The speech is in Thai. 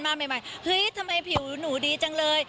มาใหม่เฮ้ยทำไมผิวหนูดีจังเลย